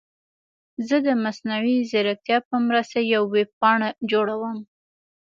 زه د مصنوعي ځیرکتیا په مرسته یوه ویب پاڼه جوړوم.